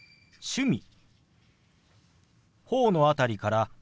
「趣味」。